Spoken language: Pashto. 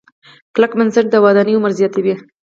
کلک بنسټ د ودانۍ عمر زیاتوي.